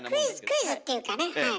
クイズっていうかねはい。